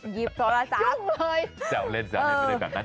หยิบสวรรค์จักรยุ่งเลยแจ้วเล่นไม่ได้แบบนั้น